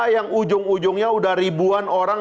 yang ujung ujungnya udah ribuan orang